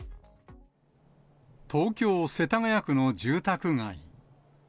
東京・世田谷区の住宅街。